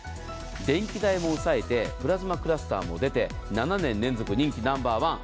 電気代も抑えてプラズマクラスターも出て７年連続人気ナンバーワン。